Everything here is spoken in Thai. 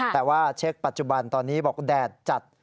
แต่ว่าเช็คปัจจุบันตอนนี้บอกแดดจัด